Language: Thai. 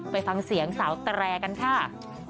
ไปฟังเสียงสาวแตรกันค่ะ